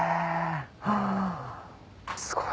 あすごい。